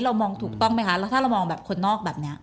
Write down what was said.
มองถูกต้องไหมคะแล้วถ้าเรามองแบบคนนอกแบบนี้